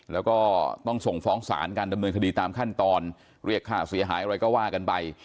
แล้วก็ต้องส่งฟ้องศาลการดำเนินคดีตามขั้นตอนเรียกค่าเสียหายอะไรก็ว่ากันไป